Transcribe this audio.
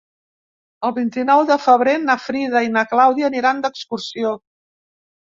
El vint-i-nou de febrer na Frida i na Clàudia aniran d'excursió.